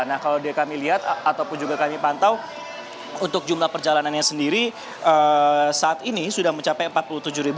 nah kalau kami lihat ataupun juga kami pantau untuk jumlah perjalanannya sendiri saat ini sudah mencapai empat puluh tujuh ribu